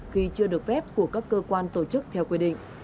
khi chưa được phép của các cơ quan tổ chức theo quy định